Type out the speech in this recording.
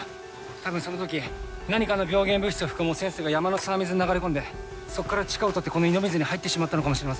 たぶんそのとき何かの病原物質を含む汚染水が山の沢水に流れ込んでそこから地下を通ってこの井戸水に入ってしまったのかもしれません。